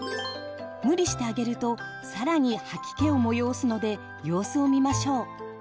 無理してあげると更に吐き気をもよおすので様子を見ましょう。